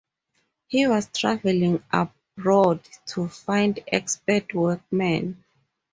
He was travelling abroad to find expert workmen.